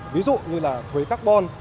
ví dụ như là thuế carbon